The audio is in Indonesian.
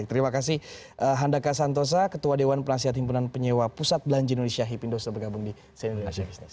terima kasih handaka santosa ketua dewan penasihat himpunan penyewa pusat belanja indonesia hipindo sudah bergabung di si indonesia business